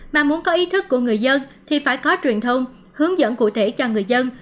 mà muốn có ý thức của người dân thì phải có truyền thông hướng dẫn cụ thể cho người dân